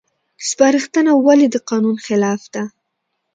سپارښتنه ولې د قانون خلاف ده؟